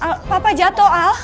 al papa jatuh al